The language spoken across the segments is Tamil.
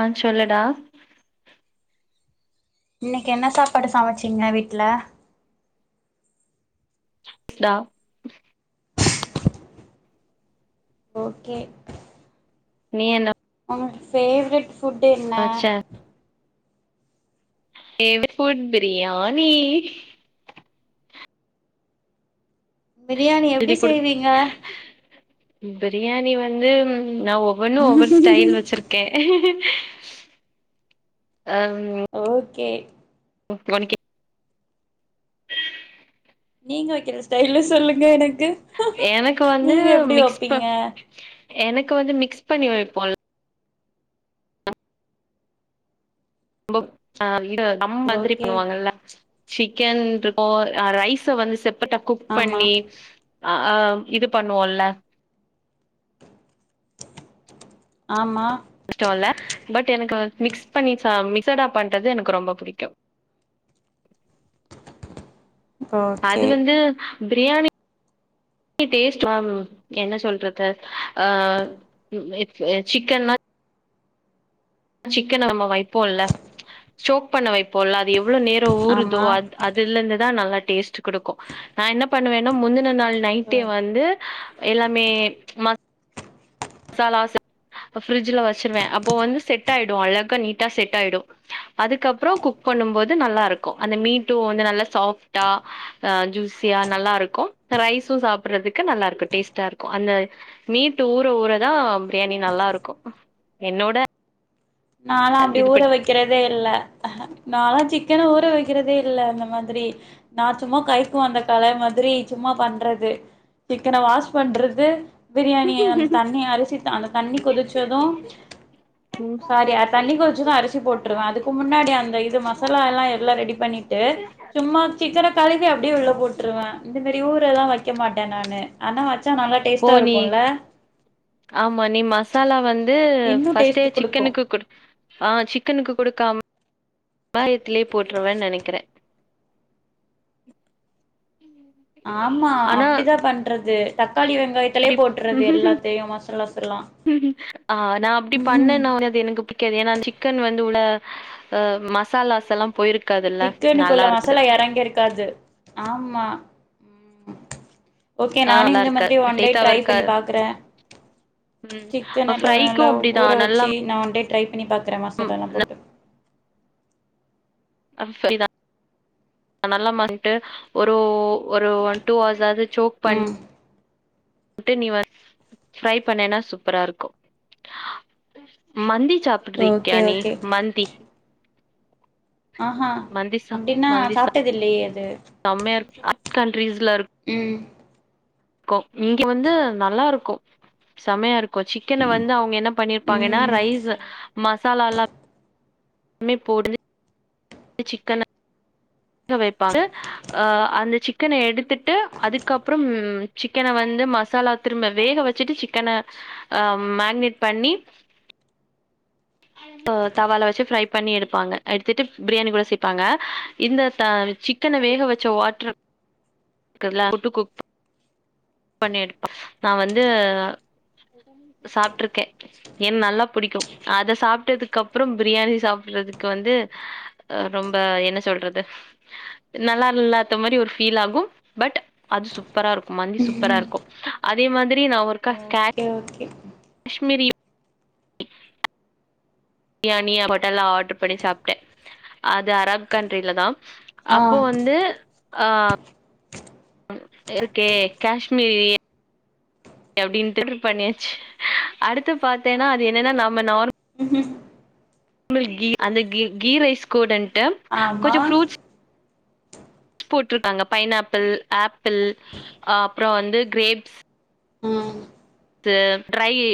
ஆ சொல்லுடா இன்னைக்கி என்ன சாப்பாடு சமச்சிங்க வீட்ல டா ஓகே நீ என்ன உங்க ஃபேவ்ரெட் ஃபுட் என்ன வச்ச ஃபேவ்டு ஃபுட் பிரியாணி பிரியாணி எப்டி எழுதி குடு செய்வீங்க பிரியாணி வந்து நா ஒவ்வொன்னு ஒவ்வொரு ஸ்டைல் வச்சிருக் கே ம் ஓகே உனக்கி நீங்க வைக்கிற ஸ்டைல்ல சொல்லுங்க எனக்கு எனக்கு வந்து நீங்க எப்டி மிக்ஸ் பா வப்பீங்க எனக்கு வந்து மிக்ஸ் பண்ணி வைப்போல ரொம்ப ஆ இது தம் மாதிரி ஓகே போவாங்கல்ல சிக்கன் இருக்கு அ ரைஸ் வந்து செப்பட்டா குக் ஆமா பண்ணி அ ஆ இது பண்ணுவோல்ல ஆமா ஸ்டோவ்ல பட் எனக்கு மிக்ஸ் பண்ணி மிக்சடா பண்றது எனக்கு ரொம்ப புடிக்கு அது ஓகே வந்து பிரியாணி டேஸ்ட் என்ன சொல்றது அ ம் ம் சிக்கன் லா சிக்கன நம்ம வைப்போம்ல ஸ்டோக் பண்ண வைப்போம்ல அது எவ்ளோ நேரம் ஊருதோ ஆமா அ அதுல இருந்துதா நல்லா டேஸ்ட் குடுக்கு நா என்ன பண்ணுவேன்னா முந்தின நாள் நைட்டே ஓகே வந்து எல்லாமே ம சாலா ஃப்ரிட்ஜல வச்சுருவ அப்போ வந்து செட் ஆயிடு அழகா நீட்டா செட் ஆயிடு அதுக்கப்றோ குக் பண்ணும்போது நல்லா இருக்கு அந்த மீட்டு வந்து நல்லா சாஃப்ட்டா அ ஜூஸியா நல்லா இருக்கு ரைஸு சாப்புறதுக்கு நல்லா இருக்கு டேஸ்டா இருக்கு அந்த மீட்டு ஊற ஊறதா பிரியாணி நல்லா இருக்கு என்னோட நாலா அப்டி இது ஊற படி வக் வக்கிறதே இல்ல நாலா சிக்கன ஊற வக்கிறதே இல்ல அந்த மாதிரி நா சும்மா கைக்கு வந்த கல மாதிரி சும்மா பண்றது சிக்கன வாஷ் பண்றது பிரியாணிய அந்த தண்ணிய அரிசி அந்த தண்ணி கொதிச்சது ம் சாரி அ தண்ணி கொதிச்சது அரிசி போட்ருவ அதுக்கு முன்னாடி அந்த இது மசாலா எல்லா எல்லா ரெடி பண்ணிட்டு சும்மா சிக்கன கழுவி அப்டியே உள்ள போட்ருவ இந்த மாரி ஊறல்லா வக்க மாட்ட நானு ஆனா வச்சா நல்லா டேஸ்ட்டா போனி இருக்குல்ல ஆமா நீ ம மசாலா வந்து இன்னு ஃபர்ஸ்ட்டே டேஸ்ட் குடுக்கு சிக்கனுக்கு குடு ஆ சிக்கனுக்கு குடுக்காம வெங்காயத்திலே போட்டுறவ நெனைக்கிற ஆமா ஆனா அப்டிதா பண்றது தக்காளி வெங்காயத்த ஆ நா அப்டி ம் பண்ணனா அது எனக் பு டிக்காது ஏன்னா சிக்கன் வந்து உள்ள மசாலாஸ் எல்லா போயிருக் சிக்கனுக்குள்ள மசாலா இறங்கிருக்காது ஆமா ம் ஓகே ஆ நானு நல்லா இந்த இருக்கு மாதிரி ஒன் டே டேஸ்டாவு ட்ரை பண்ணி இருக்காது பாக்குற ம் சிக்கன் எல்லா ஃப்ரைக்கு நல்லா அப்டிதா ஊற நல்லா வச்சு நா ஒண்டே ட்ரை பண்ணி பாக்குற மசாலல்லா போட்டு நல்ல மன்ட்டு ஒரு ஒரு ஒன் டூ ஹர்ஸ் ஆது சோக் பண் ம் ட்டு நீ வ ஃப்ரை பண்ணினா சூப்பரா இருக்கு மந்தி சாப்டுருக்கியா ஓகே நீ ஓகே மந்தி ஆஹா மந்தி அப்டின்னா சாப்ட்டது இல்லையே அது செம்மயா இருக்கு அக் கண்ட்ரீஸ்ல இருக்கு ம் க்கு இங்க வந்து நல்லா இருக்கு செமையா இருக் கு சிக்கன வந்து அவுங்க என்ன பண்ணிருப்பாங்கன்னா ம் ரைஸ்ஸ சேரி மசாலால்லா கொ எதுமே போட்றது சிக்கன வைப்பாக ஆ அந்த சிக்கன எடுத்துட்டு அதுக்கப்றம் சிக்கன வந்து மசாலா திரும்ப வேக வச்சுட்டு சிக்கன ஆ மேக்னேட் பண்ணி ஆ தவால வச்சு ஃப்ரை பண்ணி எடுப்பாங்க எடுத்துட்டு பிரியாணி கூட சேப்பாங்க இந்த த சிக் கன வேக வச்ச வாட்ரு இருக்குல்ல [inaudible] போட்டு குக் பண்ணி எடுப்பே நா வந்து சாப்ட்டுருக்கே ஏன் நல்லா புடிக்கு அத சாப்ட்டதுக்கு அப்புற பிரியாணி சாப்புறதுக்கு வந்து ஆ ரொம்ப என்ன சொல்றது நல்லா இல்லாத்த மாரி ஒரு ஃபீல் ஆகும் பட் அது சூப்பரா இருக்கு மந்தி சூப்பரா இருக்கு அதே மாதிரி நா ஒரு ஓகே ஓகே காஷ்மீரி பிரியாணி ஹோட்டல்ல ஆட்ரு பண்ணி சாப்ட்டே அது அரேப் கண்ட்ரில தா ஆ அப்போ வந்து ஆ ம் இருக்கே காஷ்மீரி அப்டின்ட்டு ஆட்ரு பண்ணியாச்சு அடுத்து பாத்தேன்னா அது என்னன்னா நம்ம நார் மல் கீ அந்த கீ கீ ரைஸ் கூடன்ட்டு ஆமா கொஞ்சோ ஃப்ரூட்ஸ் போட்ருக்காங்க பைனாப்பிள் ஆப்பிள் ஆ அப்புறம் வந்து கிரேப்ஸ் ம் ஸு ட்ரையி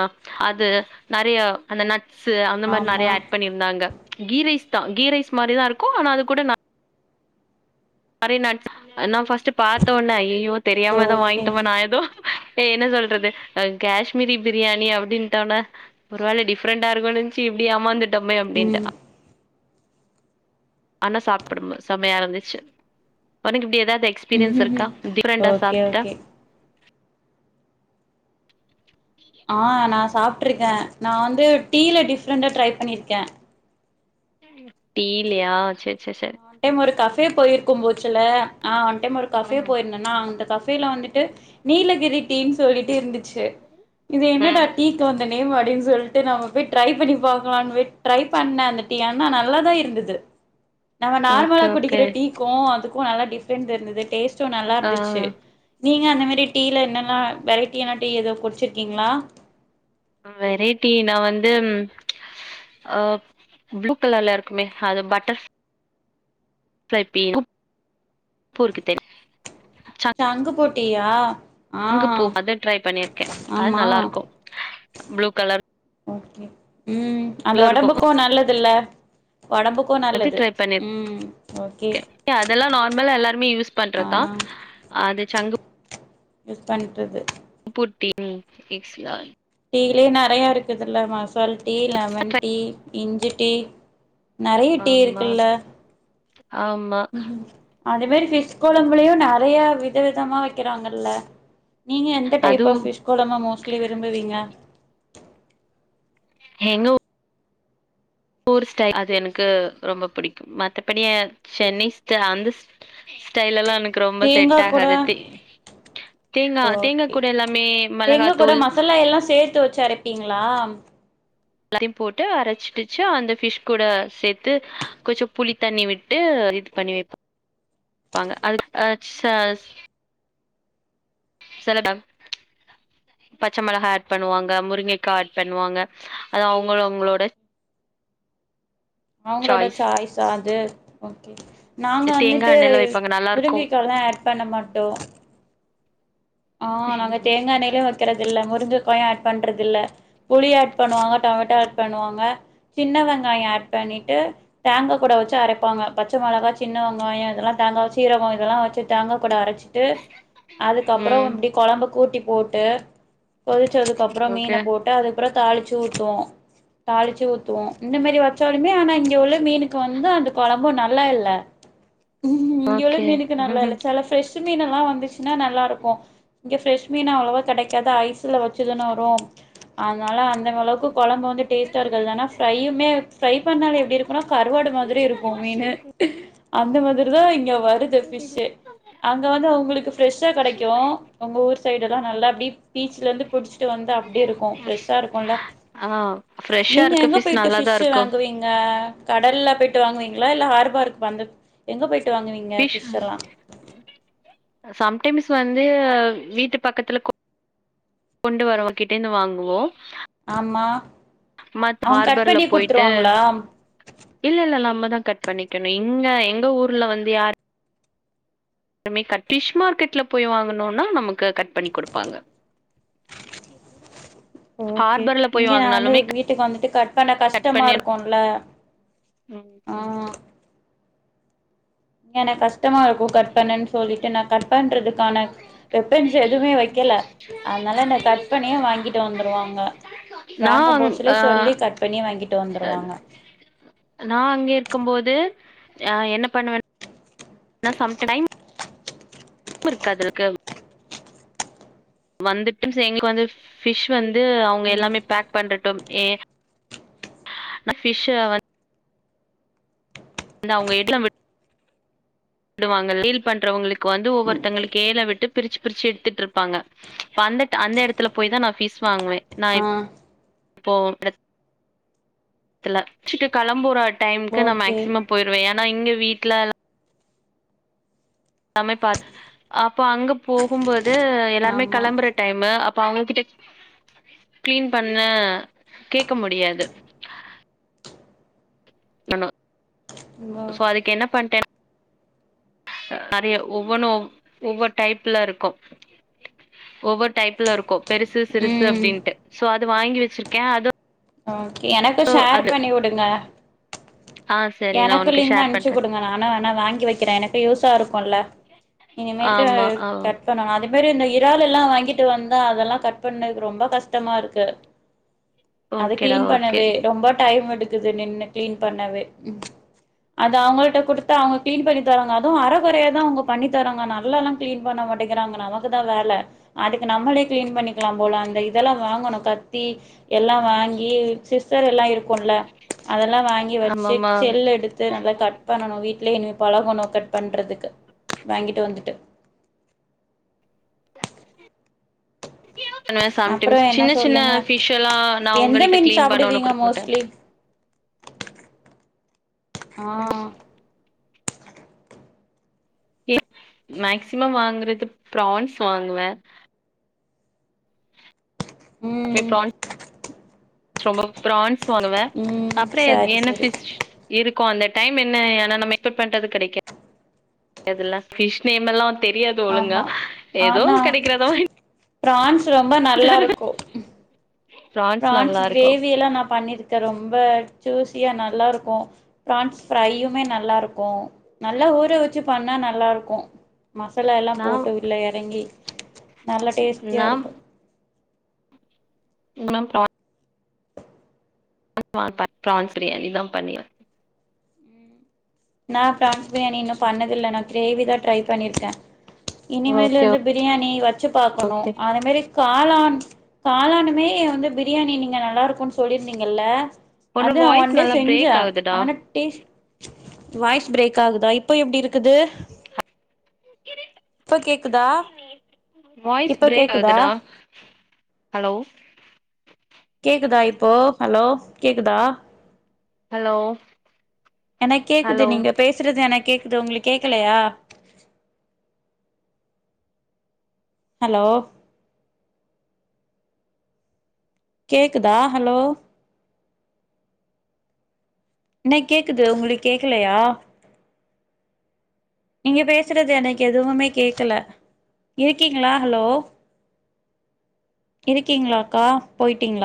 ஆ அது நெறையா அந்த நட் ஸு அந்த மாரி ஆமா நெறைய ஆட் பண்ணிருந்தாங்க கீ ரைஸ்தா கீ ரைஸ் மாரி தா இருக்கும் ஆனா அது கூட நட் மாரி நட்ஸ் நா ஃபஸ்ட்டு பாத்தொன்னே ஐய்யய்யோ தெரியாம எதோ ஓகே வாங்கிட்டோமா நா எதோ ஏ என்ன சொல்றது ஆ காஷ்மீரி பிரியாணி அப்டின்ட்டோன்னே ஒரு வேள டிஃப்ரெண்டா இருக்குன்னு நெனச்சு இப்டி ஏமாந்துட்டோமே அப்டின்ட்டு ம் ஆனா சாப்டும்போது செமையா இருந்துச்சு உனக்கு இப்டி ஏதாவது எக்ஸ்பீரியன்ஸ் இருக்கா ம்ஹ்ஹும் டிஃப்ரெண்ட்டா ஓகே சாப்ட்டா ஓகே ஆ நா சாப்பட்டுருக்க நா வந்து டீல டிஃப்ரெண்ட்டா ட்ரை பண்ணிருக்க டீலையா செரி செரி செரி நான் ஒன் டைம் ஒரு கஃபே போயிருக்கும் போச்சுல ஆ ஒன் டைம் ஒரு கஃபே போய் என்னன்னா அந்த கஃபேல வந்துட்டு நீலகிரி டீன்னு சொல்லிட்டு இருந்துச்சு இது என்னடா ம் டீ இங்கு அந்த நேம் அப்டின்னு சொல்ட்டு நம்ம போய் ட்ரை பண்ணி பாக்கலாம்னு போய் ட்ரை பண்ண அந்த டீ ஆனா நல்லாதா இருந்துது நம்ம நார்மலா ஓகே ஓகே குடிக்கிற டீக்கு அதுக்கு நல்லா டிஃப்ரெண்ட் இருந்தது டேஸ்ட்டு நல்லா ஆ இருந்துச்சு நீங்க அந்த மேரி டீல என்னல்லா வெரைட்டியான டீ ஏதோ குடிச்சிருக்கீங்களா வெரைட்டி நா வந்து ஆ ப்ளூ கலர்ல இருக்குமே அது பட்டர் ஃப்ரை பி குப் [inaudible] தெரி சங்குப்பூ டீ யா சங்குப்பூ அத ட்ரை பண்ணிருக்கே அது ஆமா நல்லாருக்கும் ப்ளு கலர் ஓகே ம் அது இருக்கு ஒடம்புக்கும் நல்லதுல்ல ஒடம்புக்கு அது நல்லது ம் ஓகே ட்ட அதெல்லா நார்மல் எல்லாருமே யூஸ் ஆ பண்றதா அது சங்கு யூஸ் பண்ட்டுது பூ டீ எக்ஸியா டீலயே நெறயா இருக்குதல்ல மசால் டீ, லெமன் டீ, இஞ்சி டீ நெறைய டீ ஆமா இருக்குல்ல ஆம் ம் அது வேரி ஃபிஸ் கொழம்புலயு நெறயா வித விதமா வெக்கறாங்கல்ல நீங்க எந்த டைப் அதுவு ஆப் ஃபிஷ் கொழம்ப மோஸ்ட்லி விரும்புவீங்க எங்க ஊர் ஸ்டைல் அது எனக்கு ரொம்ப புடிக்கும் மத்தபடி சென்னை ஸ்டை அந்த ஸ்டைலெல்லா எனக்கு ரொம்ப செட் ஆகாது தி ஓ தேங்கா கூட மிளகாத்தூள் மசாலா எல்லா சேத்து வெச்சு அர ப்பீங்ளா எல்லாருயும் போட்டு அரச்சிடுச்சு அந்த ஃபிஷ் கூட சேத்து கொஞ்சோபுளி தண்ணி விட்டு இது பண்ணி வெ பாங்க அது அ ச செலடா பச்சை மிளகா ஆட் பண்ணுவாங்க முருங்ககா ஆட் பண்ணுவாங்க அது அவுங்க அவுங்களோட அவங்களோட சாய்ஸ் சாய்ஸா அது ஓகே நாங்க தேங்கா வந்துட்டு எண்ணெய்ல வைப்பாங்க நல்லா இருக்கும் முருங்கைகா எல்லா ஆட் பண்ண மாட்டோ ஆ நாங்க தேங்கா எண்ணெய்ல வெக்கறது இல்ல முருங்ககாயு ஆட் பண்றது இல்ல புளி ஆட் பண்ணுவாங்க டொமேட்டோ ஆட் பண்ணுவாங்க சின்ன வெங்காயோ ஆட் பண்ணிட்டு தேங்கா கூட வேச்சு அரைப்பாங்க பச்ச மிளகா சின்ன வெங்காயோ இதெல்லா தேங்கா சீரக ஓட்ட இதெல்லா வெச்சு தேங்கா கூட அரச்சிட்டு [unintelligible] கப்றோ ம் இப்டி கொழம்ப கூட்டி போட்டு கொதிச்சதுக்கப்றோ மீன ஓகே போ ட்டு அதப்றோ தாளிச்சு ஊத்துவோ தாளிச்சு ஊத்துவோ இந்த மாரி வெச்சாலுமே ஆனா இங்க உள்ள மீனுக்கு வந்து அந்த கொழம்பு நல்லா இல்ல ம் இங்குள்ள ஓகே மீனுக்கு நல்லால்ல செல ஃப்ரெஷ் மீன் எல்லா வந்துச்சுனா நல்லாரு க்கு இங்க ஃப்ரெஷ் மீன் அவ்ளவா கெடைக்காது ஐஸ்ல வெச்சுதானே வரு அதனால அந்த மெளகு கொழம்ப வந்து டேஸ்ட்டா இருக்குதுனா ஃப்ரையுமே ஃப்ரை பண்ணாலு எப்டி இருக்குனா கருவாடு மாதிரி இருக்கு மீனு அந்த மாதிரிதா இங்க வருது ஃபிஷே அங்க வந்து அவுங்களுக்கு ஃப்ரெஷ்ஷா கெடைக்கு உங்க ஊர் சைடெல்லா நல்லா அப்டி பீச்சலந்து குடிச்சிட்டு வந்து அப்டி இருக்கு ஃப்ரெஷ்ஷா இருக்குல்ல ஆ ஃப்ரெஷ்ஷா நீங்க இருக்க எங்க போயிட்டு ஃபிஷ் நல்லாதான் இருக்கும் வாங்குவீங் ங்க கடல்ல போய்ட்டு வாங்குவீங்ளா இல்ல ஹார்பார்க்கு வந்த எங்க போய்ட்டு வாங்குவீங்க ஃபிஷ் ஃபிஷெல்லா சம்டைம்ஸ் வந்து வீட்டு பக்கத்துல கொண்டு வர்றவ கிட்டே இருந்து வாங்குவோ ஆமா அவுங்க கட் ஹார்பர்ல பண்ணி போயிட்டு குடுத்துருவாங்ளா இல்ல இல்ல நம்மதா கட் பண்ணிக்கணு இங்க எங்க ஊர்ல வந்து யாரு மே கட் ஃபிஷ் மார்க்கெட்ல போய் வாங்கணுனா நமக்கு கட் பண்ணி குடுப்பாங்க ஓகே ஹார்பர்ல இங்க போய் நா வந்து வாங்கினாலுமே வீட்டுக்கு வந்துட்டு கட் பண்ண கஷ்டமா இருக்குல்ல ம் ம் எனக்கு கஷ்டமா இருக்கு கட் பண்ணுன்னு சொல்லிட்டு நான் கட் பண்றதுக்கான வெப்பன்ஸ் எதுமே வைக்கல அதனால என்ன கட் பண்ணியே வாங்கிட்டு வந்துருவாங்க நா வாங்க போசுலே அ சொல்லி கட் பண்ணி வாங்கிட்டு வந்துருவாங்க நான் அங்க இருக்கும்போது அ என்ன பண்ணுவ னா சம் டைம் உப்பிருக்காதில்க்கு வந்துட்டும் செ எங்ளுக் வந்து பிஷ் வந்து அவுங்க ம் எல்லாமே பேக் பண்டட்டும் ஏ பிஷ்ஷ வந் து அவ்ங்க எட்ளவ்வு விடுவாங்க டீல் பண்றவுங்ளுக்கு வந்து ஒவ்வொருத்தங்களுக்கு ஏழ விட்டு பிருச்சு பிருச்சு எடுத்துட்ருப்பாங்க அந்தட் அந்த எடத்துல போய்தா நான் பிஷ் வாங்வே நான் ஆ என் இப்போ எடத் துல வச்சுட்டு களம்புரா டைம்க்கு நா ஓகே மேக்சிமம் போய்ருவே ஏனா இங்க வீட்ல சமைப்பா அப்போ அங்க போகும்போது எல்லாருமே ஆமா கெளம்புற டைமு அப்ப அவுங்ககிட்ட கிளீன் பண்ண கேக்க முடியாது நம்ம ஓ சோ அதுக்கு என்ன பண்டேன் நறைய ஒவ்வொனு ஒவ்வொ டைப்ல இருக்கு ஒவ்வொர் டைப்ல இருக்கு பெருசு சிறுசு ம் அப்டின்ட்டு சோ அது வாங்கி வச்சிர்க்கே அது ஓகே எனக்கு ஷேர் அது பண்ணி உடுங்க ஆ சரி நா எனக்கு உனக்கு லிங் ஷேர் அன்ச்சு பண்றே உடுங்க நானு வேணா வாங்கி வைக்கிறே எனக்கு யூசா இருக்கூல இனிமேல்ட்டு ஆமா ஆ கட் பணா அதே மாரி இந்த இறால் எல்லா வாங்கிட்டு வந்தா அதல்லா கட் பண்ணதுக்கு ரொம்ப கஷ்டமா இருக்கு அது ஓகேடா கிளீன் ஓகே பண்ணவே ரொம்பா டைம் எடுக்குது நின்னு கிளீன் பண்ணவே ம் அது அவுங்கள்ட குடுத்த அவுங்க கிளீன் பண்ணி தராங்க அதூ அர கொறையாதா அவ்ங்க பண்ணி தராங்க நல்லாலா கிளீன் பண்ண மாட்டேங்கிறாங்க நமக்குதா வேல அதுக்கு நம்மளே கிளீன் பண்ணிக்குலா போல அந்த இதலா வாங்கணு கத்தி எல்லா வாங்கி சிஸரெல்லா இருக்குல்ல அதெல்லா வாங்கி வச்சு ஆமாமா செல் எடுத்து நல்லா கட் பண்ணணு வீட்லே இனிமே பழகணு கட் பண்றதுக்கு வாங்கிட்டு வந்துட்டு பண்ணுவே அப்புறோ சம்டைம்ஸ் என்ன சின்ன சின்ன சொல்லுங்க பிஷ்ஷெலா நா எந்த அவ்ங்கள்ட்ட மீன் கிளீன் பண்ணோனு சாப்பிடுவீங்க குடுக் மாட்ட மோஸ்ட்லி ஆ மேக்சிமம் வாங்குறது ப்ரான்ஸ் வாங்குவ அப்வே ம் ப்ரான் ரொம்ப ப்ரான்ஸ் வாங்குவே ம் அப்றோ எத் சரி என்ன சரி பிஷ் இருக்கு அந்த டைம் என்ன ஆனா நம்ம எக்ஸ்பட் பண்றது கெடைக்க காதுல பிஷ் நேமெல்லா தெரியாது ஒழுங்கா ஆமா எதோ கெடைக்கிறத வாய்ங் ப்ரான்ஸ் ரொம்ப நல்லா இருக்கு ம் ப்ரான்ஸ் பிரான்ஸ் நல்லா இருக்கு கிரேவியலா நா பண்ணிருக்க ரொம்ப ஜூசியா நல்லா இருக்கு பிரான்ஸ் ஃப்ரையுமே நல்லா இருக்கு நல்லா ஊற வச்சு பண்ணா நல்லாருக்கு மசாலா எல்லா நா போட்டு உள்ள எறங்கி நல்லா டேஸ்ட்டியா நா இருக்கு இங்கலா பிரா [inaudible] பிரான்ஸ் பிரியாணிதா பண்ணின நா பிரான்ஸ் பிரியாணி இன்னு பண்ணதில்ல நா கிரேவி தா ட்ரை பண்ணிர்க்க ஓகே இனிமேலிர்ந்து பிரியாணி வச்சு பாக்கணு ஓகே அதே மாரி காளான காளானுமே வந்து பிரியாணி நீங்க நல்லா இருக்குன் சொல்லிர்ந்தீங்கல்ல ஒன்னு அது நா வாய்ஸ் ஒன் டே நல்லா செஞ்ச பிரேக் ஆகுதுடா ஆனா டேஸ் வாய்ஸ் பிரேக் ஆகுதா இப்போ எப்டி இருக்குது இப்ப கேக்குதா வாய்ஸ் இப்ப பிரேக் கேக்குதா ஆகுடா ஹலோ கேக்குதா இப்போ ஹலோ கேக்குதா ஹலோ எனக் கேக்குது ஹலோ நீங்க பேசுறது எனக் கேக்குது உங்களுக்கு கேக்கலையா ஹலோ கேக்குதா ஹலோ என்ன கேக்குது உங்களுக்கு கேக்கலையா நீங்கள் பேசுறது எனக்கு எதுவுமே கேட்கல இருக்கீங்களா ஹலோ இருக்கீங்களாக்கா போயிட்டீங்களா